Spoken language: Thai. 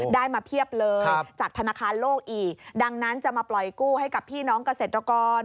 ได้มาเพียบเลยจากธนาคารโลกอีกดังนั้นจะมาปล่อยกู้ให้กับพี่น้องเกษตรกร